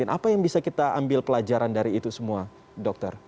apa yang bisa kita ambil pelajaran dari itu semua dokter